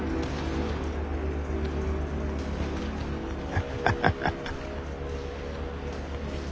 ハハハハハハ。